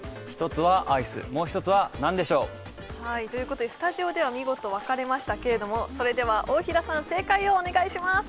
１つはアイスもう一つは何でしょう？ということでスタジオでは見事分かれましたけれどもそれでは大平さん正解をお願いします